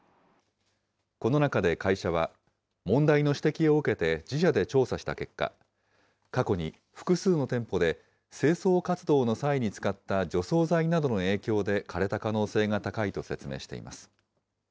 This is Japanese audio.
この中で会社は、問題の指摘を受けて自社で調査した結果、過去に複数の店舗で清掃活動の際に使った除草剤などの影響で枯れた可能性が高いと説明しています。